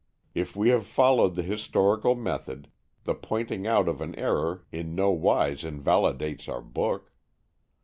If we have followed the historical method, the pointing out of an error in no wise invalidates our book.